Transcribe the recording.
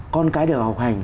con cái được học hành